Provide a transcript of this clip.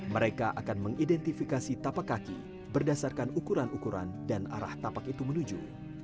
mereka akan mengidentifikasi tapak kaki berdasarkan ukuran ukuran dan arah tapak itu menuju